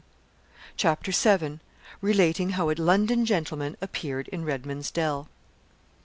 CHAPTER VII. RELATING HOW A LONDON GENTLEMAN APPEARED IN REDMAN'S DELL.